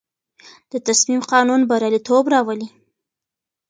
د تصمیم قانون بریالیتوب راولي.